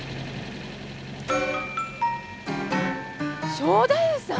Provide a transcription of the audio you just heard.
正太夫さん？